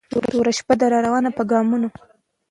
توره شپه ده را روانه په ګامونو